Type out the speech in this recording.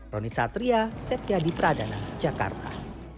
roni satria sepia di pradana jakarta